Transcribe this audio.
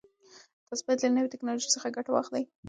تاسو باید له نوي ټکنالوژۍ څخه ګټه واخلئ.